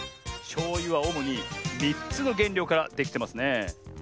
しょうゆはおもに３つのげんりょうからできてますね。